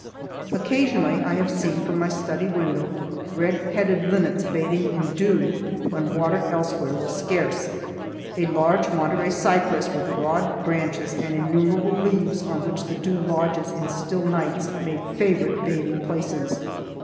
Occasionally I have seen from my study window red headed linnets bathing in dew when water elsewhere was scarce. A large Monterey cypress with broad branches and innumerable leaves on which the dew lodges in still nights made favorite bathing places.